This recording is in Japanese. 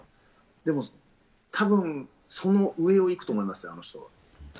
でもたぶんその上を行くと思いますよ、あの人は。